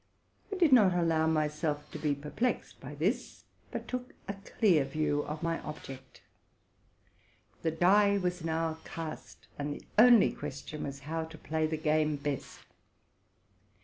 I did not allow myself to be perplexed by this, but took a clear view of my object. The die was now cast; and the only question was, how to play the game best.